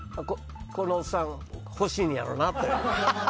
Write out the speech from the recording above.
このおっさん欲しいんやろなって。